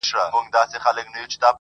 په دې کور کي فقط دا سامان را ووت -